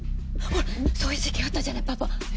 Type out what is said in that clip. ほらそういう事件あったじゃないパパ。